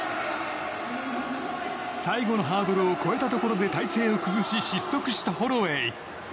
最後のハードルを越えたところで体勢を崩し失速したホロウェイ。